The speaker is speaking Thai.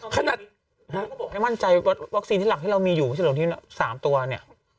ขณะวันใจวัคซีนที่หลักที่เรามีอยู่ว่าจะต้องที่๓ตัวเนี่ย